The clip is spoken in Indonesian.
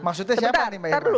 maksudnya siapa nih mbak irwan